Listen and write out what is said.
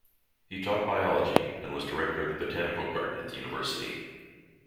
He taught biology and was director of the botanical garden at the university.